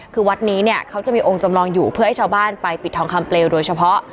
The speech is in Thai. คือวัดนี้เนี่ยเขาจะมีองค์จำลองอยู่เพื่อให้ชาวบ้านไปปิดทองคำเปลวโดยเฉพาะ